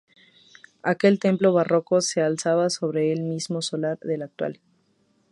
Aquel templo barroco se alzaba sobre el mismo solar del actual.